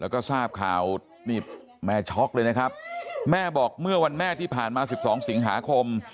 แล้วก็ทราบข่าวนี่แม่ช็อกเลยนะครับแม่บอกเมื่อวันแม่ที่ผ่านมา๑๒สิงหาคม